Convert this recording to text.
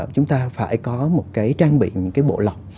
chúng ta phải có một cái trang biện một cái bộ lọc